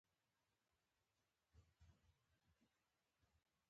غوا پرېکړه وکړه چې د وزې په څېر په ونې ودرېږي، خو ونه شول